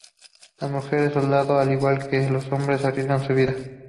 Las mujeres soldado, al igual que los hombres, arriesgaron su vida.